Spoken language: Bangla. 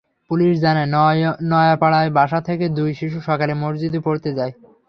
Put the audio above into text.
পুলিশ জানায়, নয়াপাড়ার বাসা থেকে দুই শিশু সকালে মসজিদে পড়তে যায়।